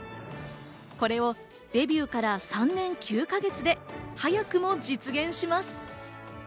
これをデビューから３年９か月で早くも実現します。